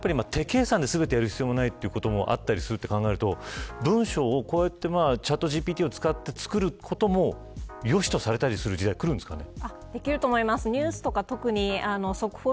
手計算で全てやる必要もないということもあると考えると文章をチャットＧＰＴを使って作ることもよしとされたりする時代がくるんですかね。